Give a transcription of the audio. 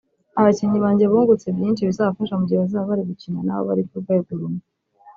Abakinnyi banjye bungutse byinshi bizabafasha mu gihe bazaba bari gukina n’abo bari ku rwego rumwe